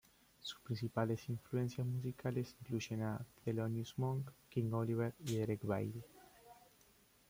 Sus principales influencias musicales incluyen a Thelonious Monk, King Oliver y Derek Bailey.